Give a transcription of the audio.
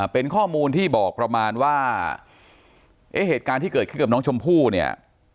เป็นข้อมูลที่บอกประมาณว่าเอ๊ะเหตุการณ์ที่เกิดขึ้นกับน้องชมพู่เนี่ย